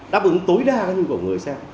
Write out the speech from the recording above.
đáp ứng tối đa nhu cầu người xem